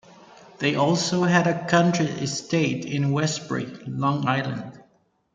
They also had a country estate in Westbury, Long Island.